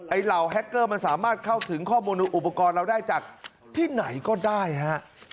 เหล่าแฮคเกอร์มันสามารถเข้าถึงข้อมูลอุปกรณ์เราได้จากที่ไหนก็ได้ฮะ